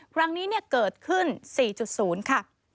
ครั้งนี้เกิดขึ้น๔๐ค่ะ